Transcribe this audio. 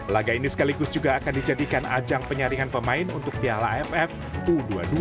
laga ini sekaligus juga akan dijadikan ajang penyaringan pemain untuk piala aff u dua puluh dua dua ribu dua puluh dua